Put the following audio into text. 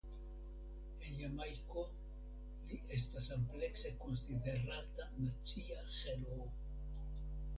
En Jamajko li estas amplekse konsiderata nacia heroo.